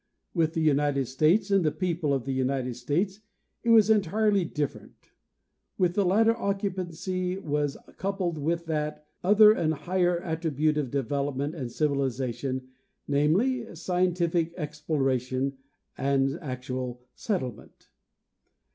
With the United States and the people of the United States it was entirely dif ferent. With the latter occupancy was coupled with that other and higher attribute of development and civilization, namely, scientific exploration and actual settlement.